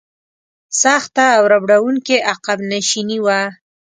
سخته او ربړونکې عقب نشیني وه.